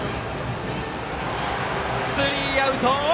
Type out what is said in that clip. スリーアウト！